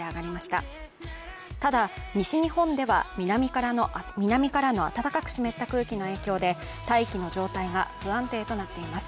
ただ、西日本では南からの暖かく湿った空気の影響で、大気の状態が不安定となっています。